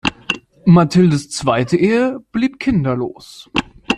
Mathildes zweite Ehe blieb kinderlos.